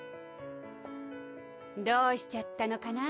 どうしちゃったのかな？